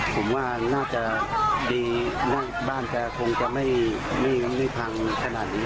ผมว่าน่าจะดีบ้านแกคงจะไม่พังขนาดนี้